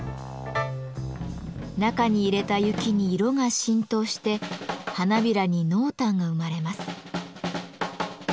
中に入れた雪に色が浸透して花びらに濃淡が生まれます。